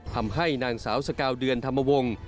ทำให้นางสาวสกาวเดือนธรรมวงศ์